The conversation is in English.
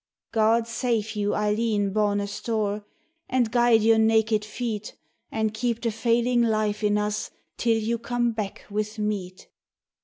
"God save you, Eileen bawn asthore, and guide your naked feet And keep the failing life in us till you come back with meat."